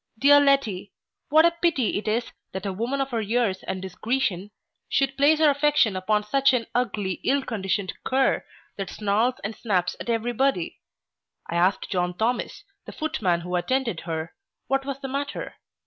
Dear Letty! what a pity it is, that a woman of her years and discretion, should place her affection upon such an ugly, ill conditioned cur, that snarls and snaps at every body. I asked John Thomas, the footman who attended her, what was the matter?